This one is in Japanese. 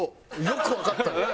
よくわかったな。